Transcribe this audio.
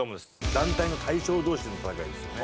団体の大将同士での戦いですよね。